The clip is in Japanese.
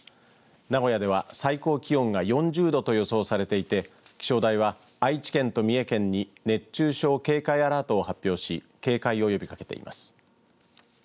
名古屋では最高気温が４０度と予想されていて気象台は愛知県と三重県に熱中症警戒アラートを発表し警戒を呼びかけています。